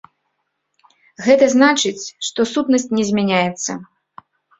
Гэта значыць, што сутнасць не змяняецца.